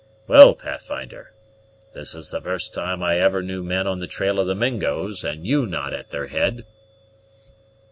Well, Pathfinder, this is the first time I ever knew men on the trail of the Mingos and you not at their head."